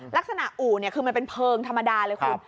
ลักษณะอู่เนี่ยคือมันเป็นเพลิงธรรมดาเลยคุณ